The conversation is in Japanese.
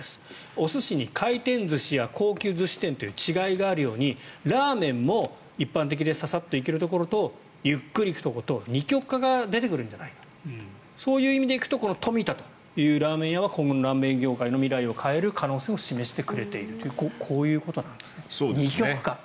お寿司に回転寿司や高級寿司店という違いがあるようにラーメンも一般的でささっと行けるところとゆっくり行くところと二極化が出てくるんじゃないかそういう意味でいくととみ田というラーメン店は今後のラーメン業界の未来を変える可能性を示してくれているというこういうことなんですね二極化。